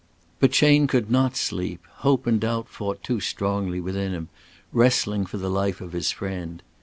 But Chayne could not sleep; hope and doubt fought too strongly within him, wrestling for the life of his friend.